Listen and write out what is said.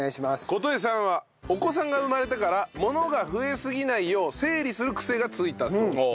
琴絵さんはお子さんが生まれてから物が増えすぎないよう整理するクセがついたそう。